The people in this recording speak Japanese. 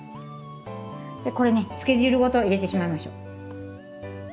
これねつけ汁ごと入れてしまいましょう。